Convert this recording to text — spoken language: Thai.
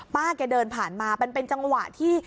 ป้าแกเดินผ่านมามันเป็นจังหวะที่